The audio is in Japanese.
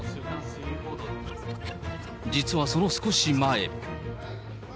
実はその少し前。